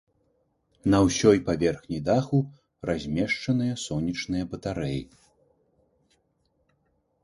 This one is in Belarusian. На ўсёй паверхні даху размешчаныя сонечныя батарэі.